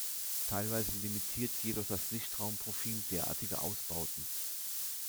Teilweise limitiert jedoch das Lichtraumprofil derartige Ausbauten.